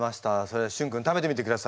それではしゅん君食べてみてください。